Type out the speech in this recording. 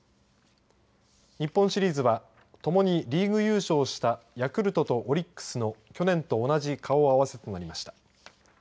日本シリーズは共にリーグ優勝したヤクルトとオリックスの去年と同じ顔合わせとなりました。